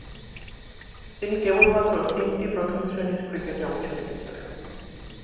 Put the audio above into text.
তিনি কেবলমাত্র তিনটি প্রথম-শ্রেণীর ক্রিকেটে অংশ নিয়েছিলেন।